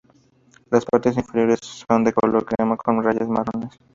Las partes inferiores son de color crema con rayas marrones.